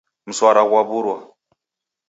Mswara ghwaw'urwa.